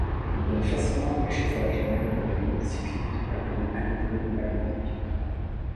Il donne facilement par chauffage un anhydride cyclique appelé anhydride maléique.